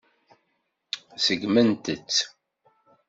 Seggment-tt.